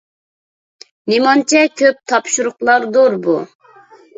نېمانچە كۆپ تاپشۇرۇقلاردۇ بۇ؟